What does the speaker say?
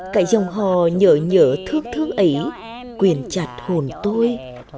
cái dòng họ nhớ nhớ thương thương ấy quyền chặt hồn tôi